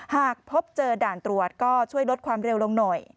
หากพบเจอด่านตรวจก็ช่วยลดความเร็วลงหน่อย